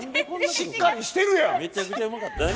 しっかりしてるやん！」何？